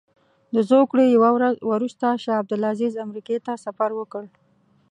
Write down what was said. د زوکړې یوه ورځ وروسته شاه عبدالعزیز امریکې ته سفر وکړ.